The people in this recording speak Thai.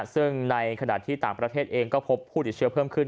ซึ่งในขณะที่ต่างประเทศเองก็พบผู้ติดเชื้อเพิ่มขึ้น